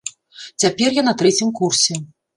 Цяпер я на трэцім курсе.